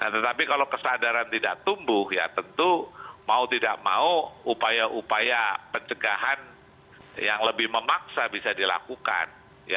tetapi kalau kesadaran tidak tumbuh ya tentu mau tidak mau upaya upaya pencegahan yang lebih memaksa bisa dilakukan